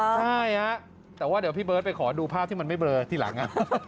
ใช่ฮะแต่ว่าเดี๋ยวพี่เบิร์ตไปขอดูภาพที่มันไม่เบลอทีหลัง